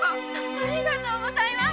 ありがとうございます。